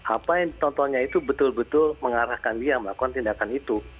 apa yang contohnya itu betul betul mengarahkan dia melakukan tindakan itu